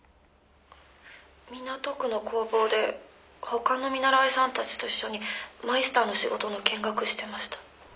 「港区の工房で他の見習いさんたちと一緒にマイスターの仕事の見学してました」